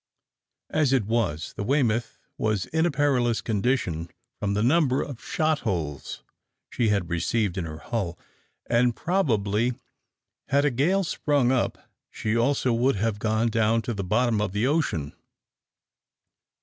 As it was, the "Weymouth" was in a perilous condition from the number of shot holes she had received in her hull, and probably had a gale sprung up, she also would have gone to the bottom of the ocean.